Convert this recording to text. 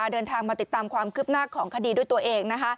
เดินทางมาติดตามความคืบหน้าของคดีด้วยตัวเอง